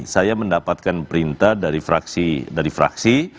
saya mendapatkan perintah dari fraksi